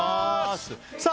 さあ